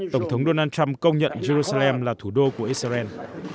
tổng thống donald trump công nhận jerusalem là thủ đô của israel